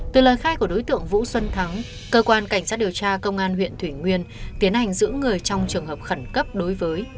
từ lời khai của đối tượng vũ xuân thắng cơ quan cảnh sát điều tra công an huyện thủy nguyên tiến hành giữ người trong trường hợp khẩn cấp đối với